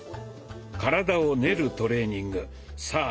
体を練るトレーニングさあ